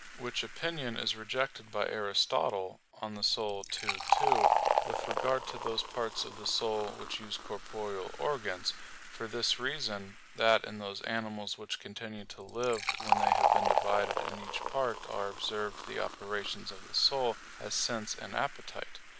Which opinion is rejected by Aristotle (De Anima ii, 2), with regard to those parts of the soul which use corporeal organs; for this reason, that in those animals which continue to live when they have been divided in each part are observed the operations of the soul, as sense and appetite.